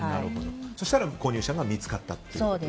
そうしたら購入者が見つかったと。